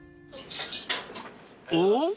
［おっ！